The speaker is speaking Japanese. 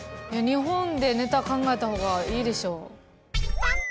日本でネタ考えた方がいいでしょ。